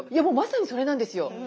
もうまさにそれなんですよ。